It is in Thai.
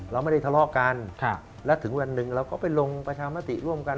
เราไม่ได้ทะเลาะกันและถึงวันหนึ่งเราก็ไปลงประชามติร่วมกัน